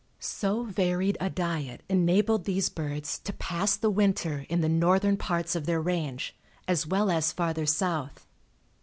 So varied a diet enabled these birds to pass the winter in the northern parts of their range as well as farther south.